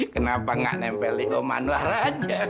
kenapa nggak nempeli om manlah raja nih